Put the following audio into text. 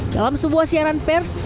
dalam sebuah siaran pers